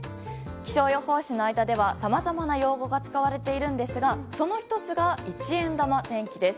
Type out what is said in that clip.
気象予報士の間ではさまざまな用語が使われているんですがその１つが一円玉天気です。